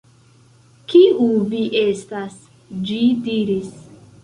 "Kiu vi estas?" ĝi diris.